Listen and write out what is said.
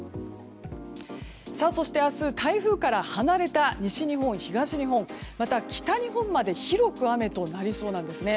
そして明日、台風から離れた西日本、東日本また、北日本まで広く雨となりそうなんですね。